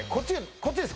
こっちです